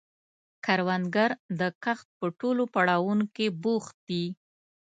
کروندګر د کښت په ټولو پړاوونو کې بوخت دی